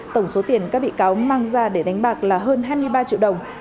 tổng số tiền các bị cáo mang ra để đánh bạc là hơn hai mươi ba triệu đồng